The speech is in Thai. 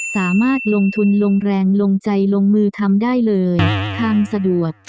สามารถลงทุนลงแรงลงใจลงมือทำได้เลยทางสะดวก